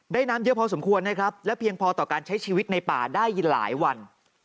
น้ำเยอะพอสมควรนะครับและเพียงพอต่อการใช้ชีวิตในป่าได้หลายวัน